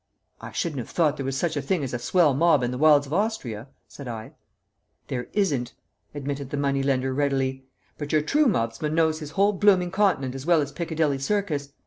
"I shouldn't have thought there was such a thing as a swell mob in the wilds of Austria," said I. "There isn't," admitted the money lender readily. "But your true mobsman knows his whole blooming Continent as well as Piccadilly Circus.